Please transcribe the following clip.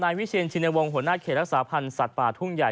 วิเชียนชินวงศ์หัวหน้าเขตรักษาพันธ์สัตว์ป่าทุ่งใหญ่